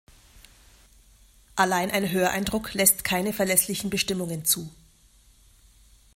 Allein ein Höreindruck lässt keine verlässlichen Bestimmungen zu.